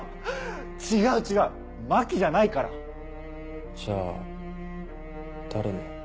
違う違う真紀じゃないからじゃあ誰の？